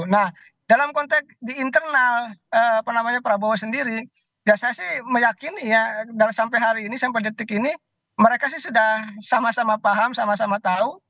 nah dalam konteks di internal prabowo sendiri ya saya sih meyakini ya sampai hari ini sampai detik ini mereka sih sudah sama sama paham sama sama tahu